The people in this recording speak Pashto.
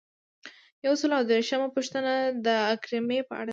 یو سل او درویشتمه پوښتنه د اکرامیې په اړه ده.